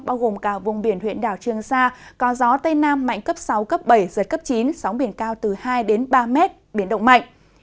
bao gồm cả vùng biển huyện đảo trương sa có gió tây nam mạnh cấp sáu cấp bảy giật cấp chín sóng biển cao từ hai ba m biển động mạnh